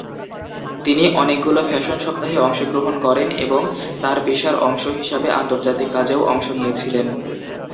তিনি অনেকগুলো ফ্যাশন সপ্তাহে অংশগ্রহণ করেন এবং তার পেশার অংশ হিসাবে আন্তর্জাতিক কাজেও অংশ নিয়েছিলেন।